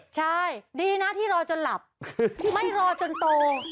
ใช่ดีนะที่รอจนหลับไม่รอจนโต